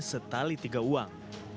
setali tiga uang